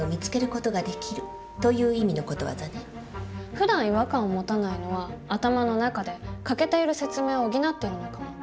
ふだん違和感を持たないのは頭の中で欠けている説明を補ってるのかも。